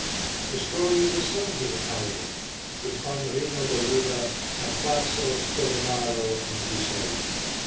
The Story of the Sons of the Paladins with Palmerino d'Oliva, Tarquasso, Scolimmaro and the crusades.